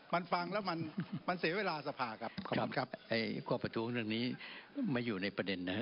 มันฟังแล้วมันเสียเวลาสภาครับขอบคุณครับ